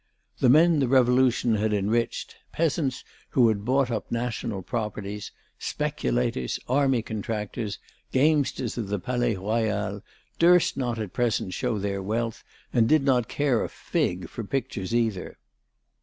The men the Revolution had enriched, peasants who had bought up National properties, speculators, army contractors, gamesters of the Palais Royal, durst not at present show their wealth, and did not care a fig for pictures, either.